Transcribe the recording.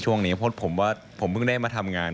ผมคิดว่าเดี๋ยวพูดผมว่าผมเพิ่งได้มาทำงาน